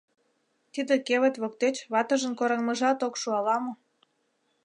Тиде кевыт воктеч ватыжын кораҥмыжат ок шу ала-мо?